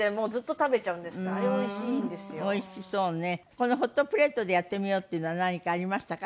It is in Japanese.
このホットプレートでやってみようっていうのは何かありましたか？